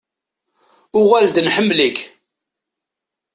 Uɣal-d nḥemmel-ik.